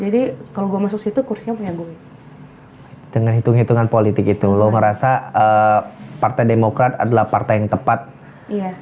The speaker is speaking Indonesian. dengan hitung hitungan politik itu lu ngerasa eh partai demokrat adalah partai yang tepat iya